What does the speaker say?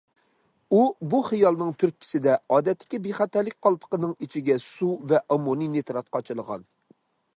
ئۇ بۇ خىيالىنىڭ تۈرتكىسىدە، ئادەتتىكى بىخەتەرلىك قالپىقىنىڭ ئىچىگە سۇ ۋە ئاممونىي نىترات قاچىلىغان.